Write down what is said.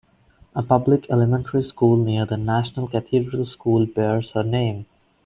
A public elementary school near the National Cathedral School bears her name.